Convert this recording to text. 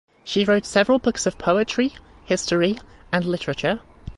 She wrote several books of poetry, history and literature.